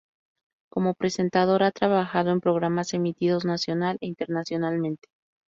Como presentador, ha trabajado en programas emitidos nacional e internacionalmente.